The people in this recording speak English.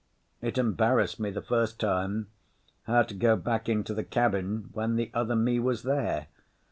It embarrassed me the first time, how to go back into the cabin when the other me was there.